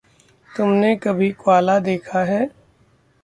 तुमने कभी क्वाला देखा है?